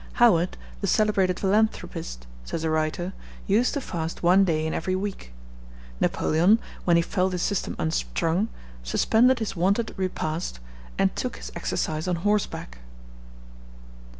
Howard, the celebrated philanthropist (says a writer), used to fast one day in every week. Napoleon, when he felt his system unstrung, suspended his wonted repast, and took his exercise on horseback.